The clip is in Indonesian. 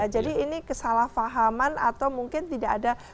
jadi ini kesalahfahaman atau mungkin tidak ada